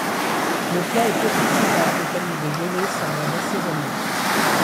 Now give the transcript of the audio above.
Le plat est aussi souvent accompagné de gelée servant d'assaisonnement.